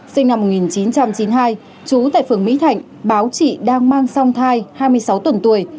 sinh năm một nghìn chín trăm chín mươi hai trú tại phường mỹ thạnh báo chị đang mang song thai hai mươi sáu tuần tuổi